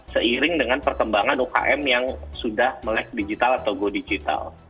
seiring dengan perkembangan ukm yang sudah melek digital atau go digital